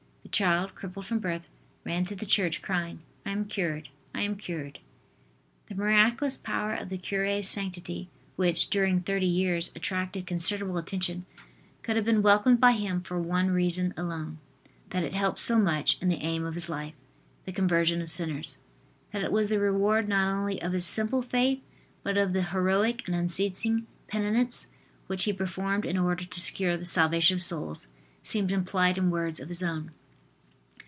The child, crippled from birth, ran to the church, crying: "I am cured, I am cured." The miraculous power of the cure's sanctity which, during thirty years, attracted considerable attention, could have been welcomed by him for one reason alone, that it helped so much in the aim of his life the conversion of sinners. That it was the reward not only of his simple faith but of the heroic and unceasing penance which he performed in order to secure the salvation of souls, seems implied in words of his own.